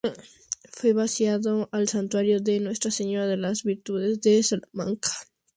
Fue vicario del Santuario de Nuestra Señora de las Virtudes de Salamanca.